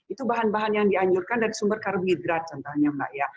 itu bahan bahan yang dianjurkan dari sumber karbohidrat contohnya mbak ya